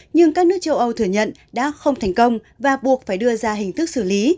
nhưng các nước châu âu thừa nhận đã không thành công và buộc phải đưa ra hình thức xử lý